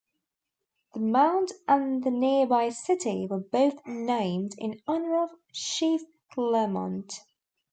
The mound and the nearby city were both named in honor of Chief Clermont.